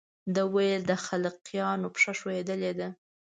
ده ویل د خلقیانو پښه ښویېدلې ده.